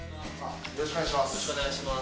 よろしくお願いします